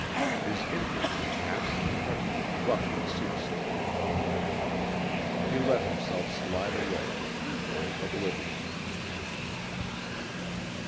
His interest in past and present abruptly ceased. He let himself slide away into blank oblivion.